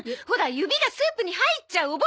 ほら指がスープに入っちゃう。